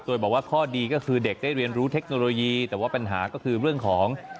โดยบอกว่าข้อดีก็คือเด็กได้เรียนรู้เทคโนโลยีแต่ว่าปัญหาก็คือเรื่องของ